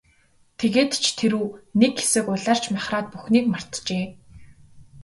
Тэгээд ч тэр үү, нэг хэсэг улайрч махраад бүхнийг мартжээ.